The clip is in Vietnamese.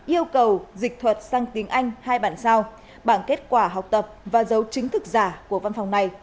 yêu cầu dịch thuật sang tiếng anh hai bản sao bảng kết quả học tập và dấu chứng thực giả của văn phòng này